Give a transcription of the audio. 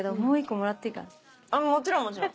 もちろんもちろん。